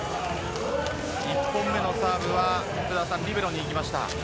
１本目のサーブはリベロにいきました。